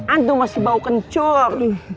antum masih bau kencur